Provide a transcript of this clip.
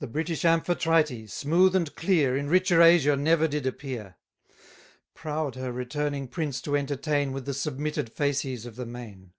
The British Amphitrite, smooth and clear, In richer azure never did appear; Proud her returning prince to entertain With the submitted fasces of the main.